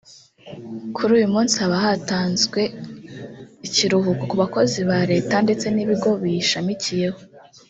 Kuri uyu munsi haba hatanzwe ikiruhuko ku bakozi ba Leta ndetse n’ibigo biyishamikiyeho